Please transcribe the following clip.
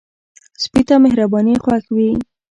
سپي ته مهرباني خوښ وي.